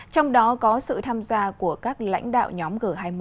trong đó có sự tham gia của các lãnh đạo nhóm g hai mươi